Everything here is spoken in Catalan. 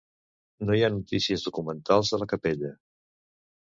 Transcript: No hi ha notícies documentals de la capella.